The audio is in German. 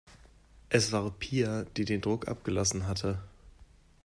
Es war Pia, die den Druck abgelassen hatte.